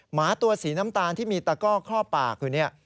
หมาตัวสีน้ำตาลที่มีตะก้อครอบปากอยู่เนี่ย